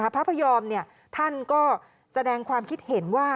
พระพยอมท่านก็แสดงความคิดเห็นว่า